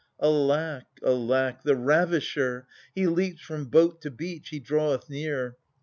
Alack, alack ! the ravisher — He leaps from boat to beach, he drawdA near